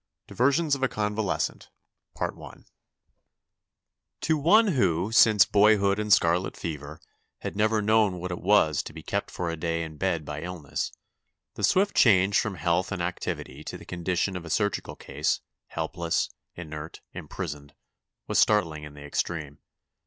DIVERSIONS OF A CONVALESCENT To one who, since boyhood and scarlet fever, had never known what it was to be kept for a day in bed by illness, the swift change from health and activity to the condition of a surgical case, helpless, inert, im prisoned, was startling in the extreme.